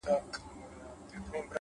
د ژوند ارزښت په نښه پرېښودلو کې دی؛